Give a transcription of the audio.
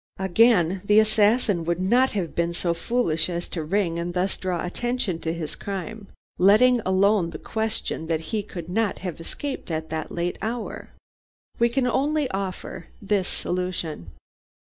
Again, the assassin would not have been so foolish as to ring and thus draw attention to his crime, letting alone the question that he could not have escaped at that late hour. We can only offer this solution.